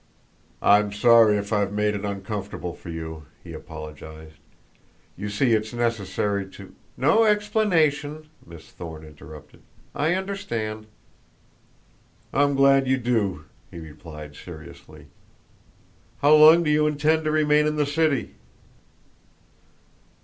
"I'm sorry if I've made it uncomfortable for you," he apologized. "You see it's necessary to " "No explanation," Miss Thorne interrupted. "I understand." "I'm glad you do," he replied seriously. "How long do you intend to remain in the city?"